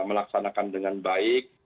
melaksanakan dengan baik